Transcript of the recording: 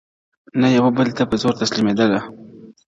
نه يوه بل ته په زور تسليمېدله.!